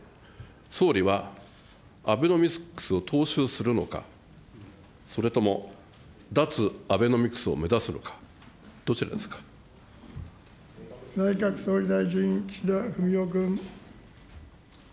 総理は、アベノミクスを踏襲するのか、それとも脱アベノミクスを内閣総理大臣、岸田文雄君。